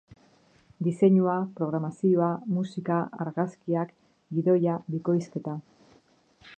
Diseinua, programazioa, musika, argazkiak, gidoia, bikoizketa...